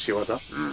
うん。